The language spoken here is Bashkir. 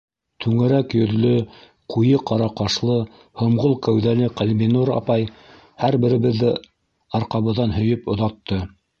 Түңәрәк йөҙлө, ҡуйы ҡара ҡашлы, һомғол кәүҙәле Ҡәлбинур апай һәр беребеҙҙе арҡабыҙҙан һөйөп оҙатты.